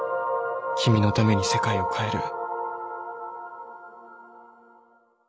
君のために世界を変える。